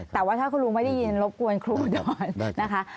แต่ว่าถ้าคุณลุงไม่ได้ยินรบกวนครูก่อนนะคะ